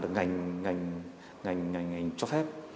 ngành cho phép